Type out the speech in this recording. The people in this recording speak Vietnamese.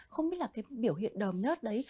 không biết là cái biểu hiện đờm nớt đấy